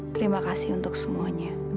terima kasih untuk semuanya